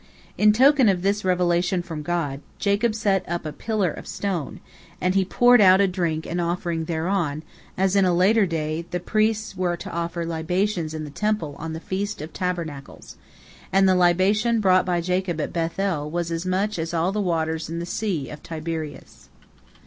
In token of this revelation from God, Jacob set up a pillar of stone, and he poured out a drink offering thereon, as in a later day the priests were to offer libations in the Temple on the Feast of Tabernacles, and the libation brought by Jacob at Beth el was as much as all the waters in the Sea of Tiberias.